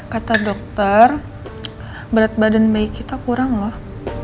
kata dokter berat badan bayi kita kurang loh